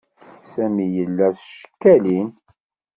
Sami yella s tcekkalin.